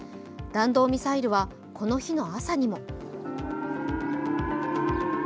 弾道ミサイルはこの日の朝にも。